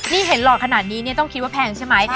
นี่เห็นหล่อขนาดนี้เนี่ยต้องคิดว่าแพงใช่ไหม